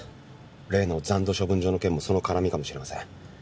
例の残土処分場の件もその絡みかもしれません。